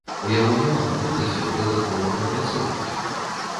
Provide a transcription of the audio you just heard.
У яго няма магутнасцяў дадаткова перапрацоўваць.